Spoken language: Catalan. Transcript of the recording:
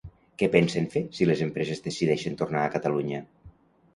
Què pensen fer si les empreses decideixen tornar a Catalunya?